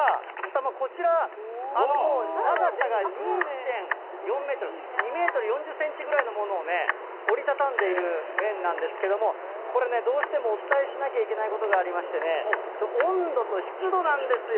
こちら、もう長さが２．４メートル、２メートル４０センチぐらいのものをね、折り畳んでいる麺なんですけれども、これね、どうしてもお伝えしなきゃいけないことがありましてね、温度と湿度なんですよ。